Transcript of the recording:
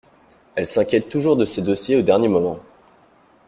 Elle s'inquiète toujours de ses dossiers au dernier moment.